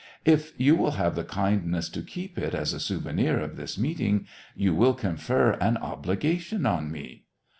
" If you will have the kindness to keep it as a souvenir of this meeting, you will confer an obligation on me."